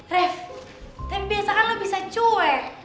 rev tapi biasakan lo bisa cueh